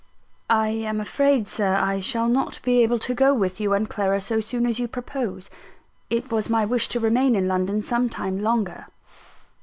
"I am afraid, Sir, I shall not be able to go with you and Clara so soon as you propose. It was my wish to remain in London some time longer."